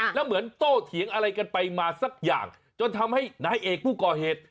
แล้วเหมือนโตเถียงอะไรกันไปมาสักอย่างจนทำให้นายเอกผู้ก่อเหตุ